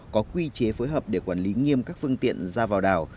có quy chế phối hợp để quản lý nghiêm các phương tiện ra vào đảo